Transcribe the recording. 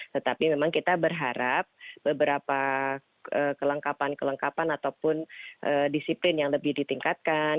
tetapi memang kita berharap beberapa kelengkapan kelengkapan ataupun disiplin yang lebih ditingkatkan